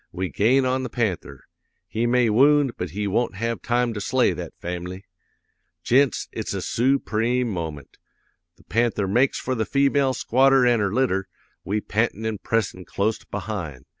We gain on the panther! He may wound but he won't have time to slay that fam'ly. "'Gents, it's a soopreme moment! The panther makes for the female squatter an' her litter, we pantin' an' pressin' clost behind.